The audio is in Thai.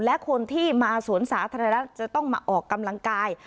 และคนที่มาสวนสาธารณะจะต้องมาออกกำลังกาย